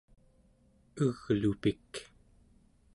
eglupik